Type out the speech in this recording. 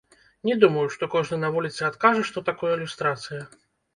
Не думаю, што кожны на вуліцы адкажа, што такое люстрацыя.